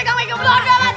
kamu juga gak usah nyolot